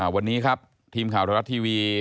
วันนี้ครับทีมข่าวทรลัทธ์ทีวี